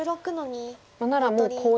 ならもうコウで。